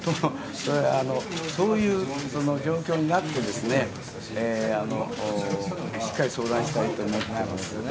そういう状況になってしっかり相談したいと思ってます。